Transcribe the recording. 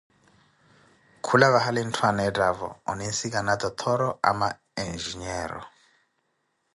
kula vahali ntthu aneettaavo oninsikana totthoro ama enjinyeero.